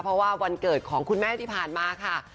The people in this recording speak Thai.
เพราะว่าวันเกิดของคุณแม่ที่ผ่านมาค่ะ